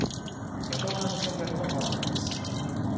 野党側の戦略も問われています。